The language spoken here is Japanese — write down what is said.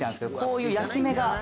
こういう焼き目が・